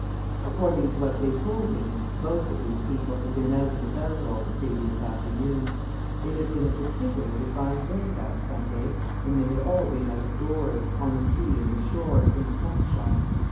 According to what they told him, most of these people had been out and about all the previous afternoon; it had been a particularly fine day, that Sunday, and they had all been out of doors, on the quay and the shore, in the sunshine.